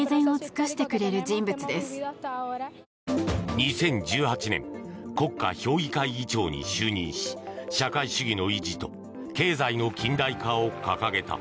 ２０１８年国家評議会議長に就任し社会主義の維持と経済の近代化を掲げた。